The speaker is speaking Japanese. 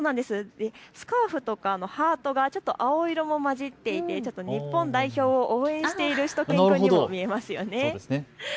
スカーフとかハートが青色も混ざっていて日本代表を応援しているしゅと犬くんにも見えますよね。